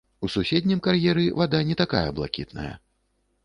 У суседнім кар'еры вада не такая блакітная.